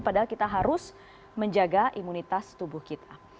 padahal kita harus menjaga imunitas tubuh kita